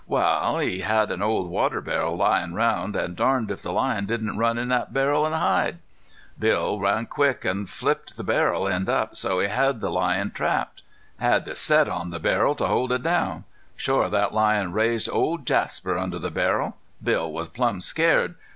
Wal, he had an old water barrel layin' around, an' darned if the lion didn't run in thet barrel an' hide. Bill run quick an' flopped the barrel end up, so he had the lion trapped. He had to set on the barrel to hold it down. Shore that lion raised old Jasper under the barrel. Bill was plumb scared.